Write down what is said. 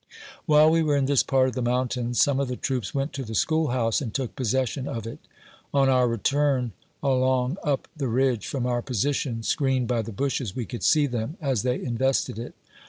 While we were in this part of the mountains, some of the troops went to the school house, and took possession of it. On our return along up the ridge, from our positidb, screened ' by "the "bushes, we could see them as they invested! it.